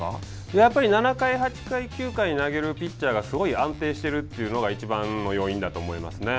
やっぱり７回、８回、９回を投げるピッチャーがすごい安定しているというのが一番の要因だと思いますね。